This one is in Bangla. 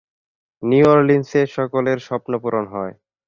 নিউ অরলিন্সে সকলের স্বপ্ন পূরণ হয়।